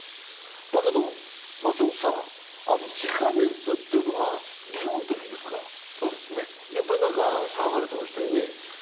だけど、ジカ熱というのはリオのときですか、やっぱり騒がれていましたよね？